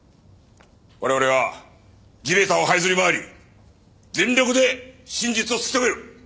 我々は地べたを這いずり回り全力で真実を突き止める。